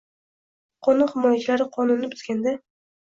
Qonun himoyachilari qonunni buzganda.